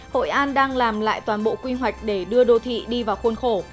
hội an đang làm lại toàn bộ quy hoạch để đưa đô thị đi vào khuôn khổ